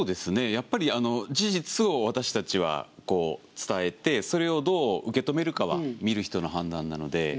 やっぱり事実を私たちは伝えてそれをどう受け止めるかは見る人の判断なので。